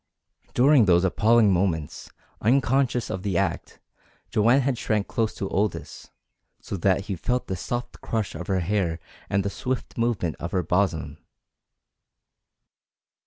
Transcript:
During those appalling moments, unconscious of the act, Joanne had shrank close to Aldous, so that he felt the soft crush of her hair and the swift movement of her bosom.